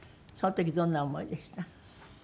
その時どんな思いでした？